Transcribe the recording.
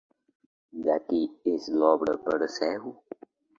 De qui és l'obra Perseu?